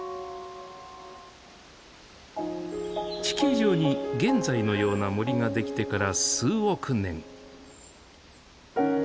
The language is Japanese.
地球上に現在のような森ができてから数億年。